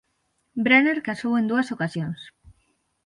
Brenner casou en dúas ocasións.